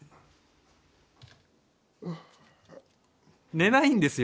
寝ないんですよ。